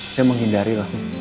saya menghindari lah